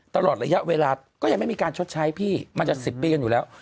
ตลอดระยะเวลาก็ยังไม่มีการชดใช้พี่มันจะ๑๐ปีกันอยู่แล้ว